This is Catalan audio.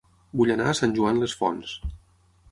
Vull anar a Sant Joan les Fonts